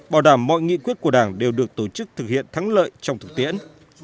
bảo đảm mọi nghị quyết của đảng đều được tổ chức thực hiện thắng lợi trong thực tiễn